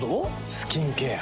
スキンケア。